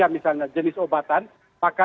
misalnya jenis obatan maka